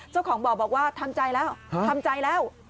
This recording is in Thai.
เจ้าของบ่อบอกว่าทำใจแล้วทำใจแล้ว